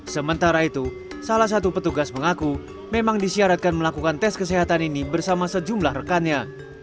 sementara itu salah satu petugas mengaku memang disyaratkan melakukan tes kesehatan ini bersama sejumlah rekannya